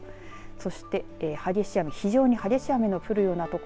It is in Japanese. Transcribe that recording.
そして非常に激しい雨が降るような所